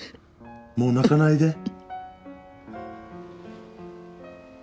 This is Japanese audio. もう泣かないで。